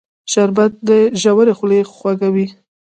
شربت د روژې خولې خوږوي